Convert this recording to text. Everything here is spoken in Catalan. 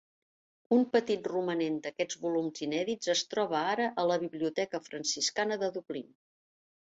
Un petit romanent d'aquests volums inèdits es troba ara a la Biblioteca franciscana de Dublín.